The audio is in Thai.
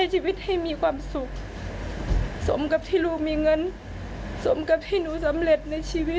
จะรู้สำเร็จตรงใดนาน